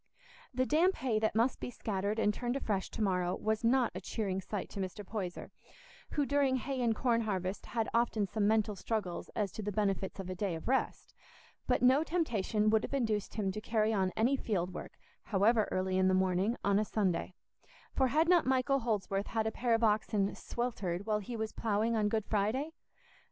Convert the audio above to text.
The damp hay that must be scattered and turned afresh to morrow was not a cheering sight to Mr. Poyser, who during hay and corn harvest had often some mental struggles as to the benefits of a day of rest; but no temptation would have induced him to carry on any field work, however early in the morning, on a Sunday; for had not Michael Holdsworth had a pair of oxen "sweltered" while he was ploughing on Good Friday?